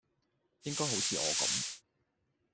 應該好似我咁